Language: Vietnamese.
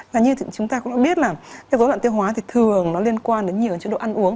và như chúng ta cũng đã biết là cái dối loạn tiêu hóa thì thường nó liên quan đến nhiều chế độ ăn uống